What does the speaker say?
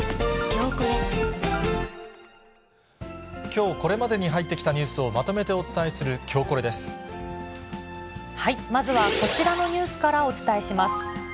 きょう、これまでに入ってきたニュースをまとめてお伝えするきょうコレでまずはこちらのニュースからお伝えします。